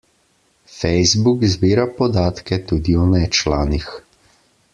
Facebook zbira podatke tudi o nečlanih.